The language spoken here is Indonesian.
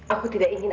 aku tidak ingin